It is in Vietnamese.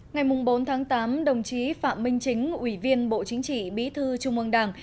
ngày bốn tháng tám đồng chí phạm minh chính ủy viên bộ chính trị bí thư trung ương đảng